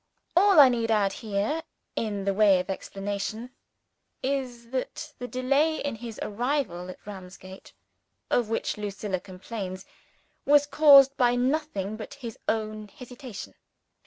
All I need add here, in the way of explanation, is that the delay in his arrival at Ramsgate of which Lucilla complains, was caused by nothing but his own hesitation.